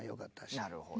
なるほど。